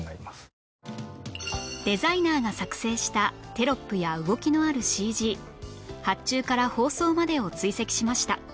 デザイナーが作成したテロップや動きのある ＣＧ 発注から放送までを追跡しました